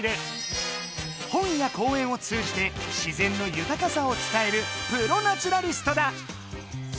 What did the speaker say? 本や講演を通じて自然の豊かさを伝えるプロナチュラリストだ。